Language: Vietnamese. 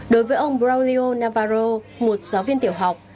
đối với ông braulio navarro một giáo viên tiểu học